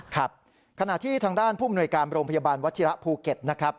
ครับขณะที่ทางด้านผู้มนวยการโรงพยาบาลวัชิระภูเก็ตนะครับ